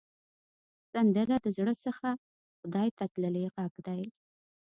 سندره د زړه څخه خدای ته تللې غږ ده